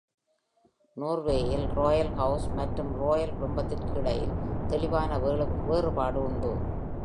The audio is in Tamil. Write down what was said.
நார்வேயில் ராயல் ஹவுஸ் மற்றும் ராயல் குடும்பத்திற்கு இடையில் தெளிவான வேறுபாடு உண்டு.